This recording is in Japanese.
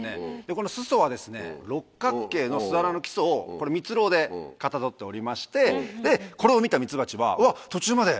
この巣礎は六角形の巣穴の基礎をミツロウでかたどっておりましてこれを見たミツバチは「うわ途中まで巣」。